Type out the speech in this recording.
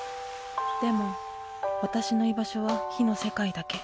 でも私の居場所は火の世界だけ。